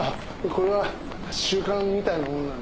これは習慣みたいなものなんです。